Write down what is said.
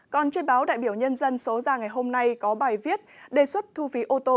còn trên báo đại biểu nhân dân số ra ngày hôm nay có bài viết đề xuất thu phí ô tô